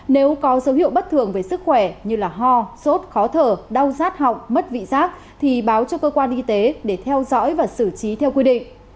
nếu có dấu hiệu bất thường về sức khỏe như ho sốt khó thở đau rát họng mất vị giác thì báo cho cơ quan y tế để theo dõi và xử trí theo quy định